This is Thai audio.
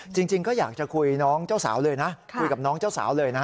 จริงก็อยากจะคุยน้องเจ้าสาวเลยนะคุยกับน้องเจ้าสาวเลยนะ